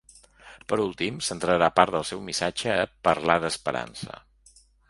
Per últim, centrarà part del seu missatge a ‘parlar d’esperança’.